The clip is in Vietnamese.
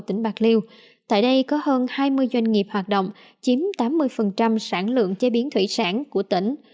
tỉnh bạc liêu tại đây có hơn hai mươi doanh nghiệp hoạt động chiếm tám mươi sản lượng chế biến thủy sản của tỉnh